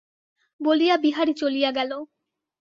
বলিয়া বিহারী চলিয়া গেল।